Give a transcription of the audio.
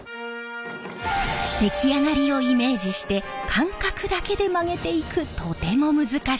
出来上がりをイメージして感覚だけで曲げていくとても難しい作業。